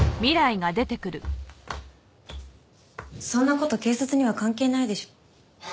そんな事警察には関係ないでしょ。